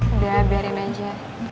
udah biarin aja